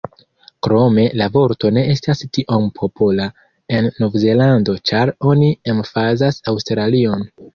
Krome la vorto ne estas tiom popola en Novzelando ĉar oni emfazas Aŭstralion.